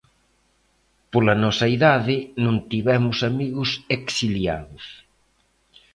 Pola nosa idade non tivemos amigos exiliados.